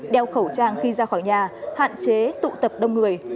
đeo khẩu trang khi ra khỏi nhà hạn chế tụ tập đông người